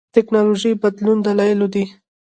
ټېکنالوژيکي بدلون دلایلو دي.